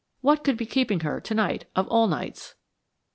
What could be keeping her to night, of all nights?